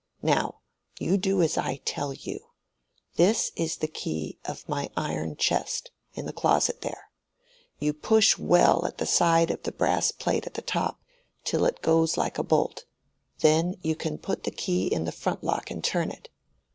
Now you do as I tell you. This is the key of my iron chest, in the closet there. You push well at the side of the brass plate at the top, till it goes like a bolt: then you can put the key in the front lock and turn it.